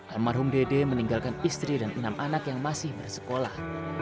almarhum dede meninggalkan istri dan enam anak yang masih bersekolah